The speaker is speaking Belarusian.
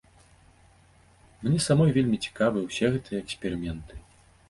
Мне самой вельмі цікавыя ўсе гэтыя эксперыменты.